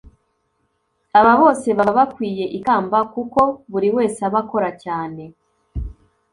aba bose baba bakwiye ikamba kuko buri wese aba akora cyane